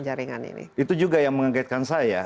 jaringan ini itu juga yang mengagetkan saya